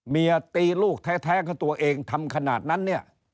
เมียตีลูกแท้ของตัวเองทำขนาดนั้นเนี่ย